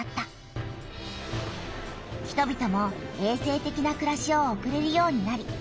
人びともえい生てきなくらしを送れるようになり